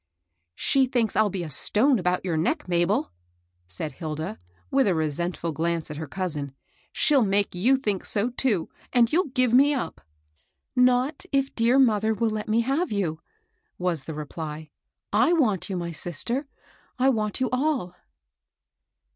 COUSIN ALGIN. 19 She thinks I'll be a stone about your neck, Mabel," said Hilda, with a resentful glance at her cousin. " She'll make you think so, too I and you'll give me up." " Not if dear mother will let me have you," was the reply. I want you, my sister, — I want you all.'